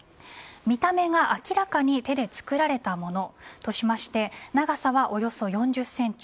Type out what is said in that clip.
見た目が明らかに手で作られたもの、としまして長さはおよそ４０センチ